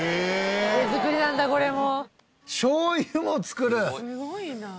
手作りなんだこれも。